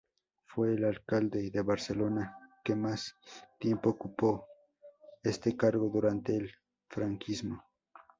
Fue el alcalde de Barcelona que más tiempo ocupó este cargo durante el franquismo.